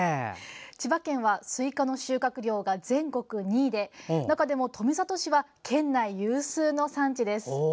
千葉県はスイカの収穫量が全国２位で中でも富里市は県内有数の産地です。